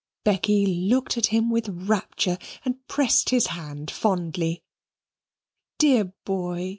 Becky looked at him with rapture and pressed his hand fondly. "Dear boy!"